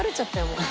もう。